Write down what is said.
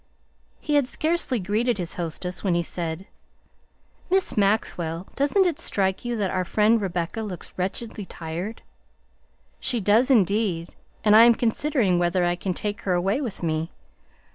He had scarcely greeted his hostess when he said: "Miss Maxwell, doesn't it strike you that our friend Rebecca looks wretchedly tired?" "She does indeed, and I am considering whether I can take her away with me.